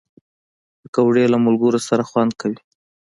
پکورې له ملګرو سره خوند کوي